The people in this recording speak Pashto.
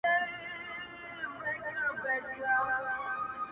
ټولي دنـيـا سره خــبري كـــوم ـ